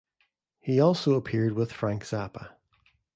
He also appeared with Frank Zappa.